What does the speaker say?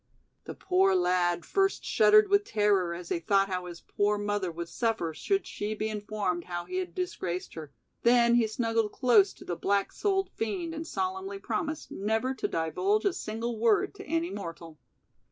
The poor lad first shuddered with terror as he thought how his poor mother would suffer should she be informed how he had disgraced her, then he snuggled close to the black souled fiend and solemnly promised never to divulge a single word to any mortal.